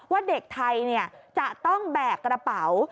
ว่าเด็กไทยจะต้องแบกกระเป๋า